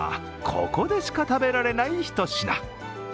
ここでしか食べられない一品。